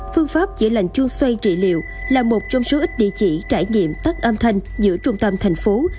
phương pháp chữa lành chuông xoay trị liệu là một trong số ít địa chỉ trải nghiệm tắt âm thanh giữa trung tâm thành phố